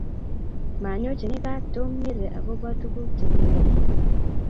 Manyochini gaat Tom mary agoba tuguuk chegiyai